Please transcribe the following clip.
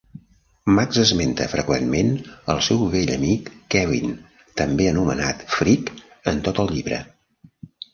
Max esmenta freqüentment el seu vell amic Kevin, també anomenat Freak, en tot el llibre.